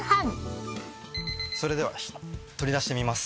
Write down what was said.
それでは取り出してみます。